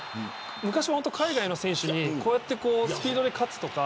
海外の選手にこうやってスピードで勝つとか。